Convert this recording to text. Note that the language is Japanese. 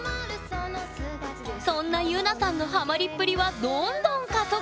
そんなゆなさんのハマりっぷりはどんどん加速！